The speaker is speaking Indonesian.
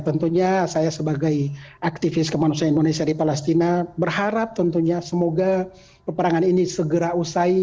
tentunya saya sebagai aktivis kemanusiaan indonesia di palestina berharap tentunya semoga peperangan ini segera usai